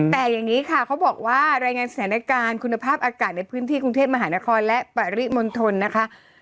แต่อย่างนี้ค่ะเขาบอกว่ารายงานสถานการณ์คุณภาพอากาศในพื้นที่กรุงเทพมหานครและปริมณฑลนะคะ